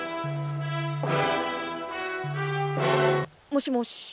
もしもし。